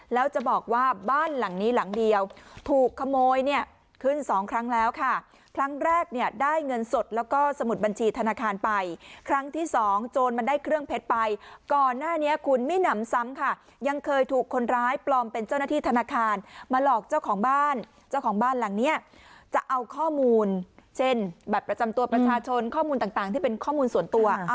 แล้วจะบอกว่าบ้านหลังนี้หลังเดียวถูกขโมยเนี่ยขึ้นสองครั้งแล้วค่ะครั้งแรกเนี่ยได้เงินสดแล้วก็สมุดบัญชีธนาคารไปครั้งที่สองโจรมันได้เครื่องเพชรไปก่อนหน้านี้คุณไม่หนำซ้ำค่ะยังเคยถูกคนร้ายปลอมเป็นเจ้าหน้าที่ธนาคารมาหลอกเจ้าของบ้านเจ้าของบ้านหลังเนี้ยจะเอาข้อมูลเช่นบัตรประจำตัวประชาชนข้อมูลต่างที่เป็นข้อมูลส่วนตัว